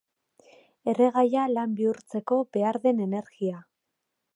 Erregaia lan bihurtzeko behar den energia.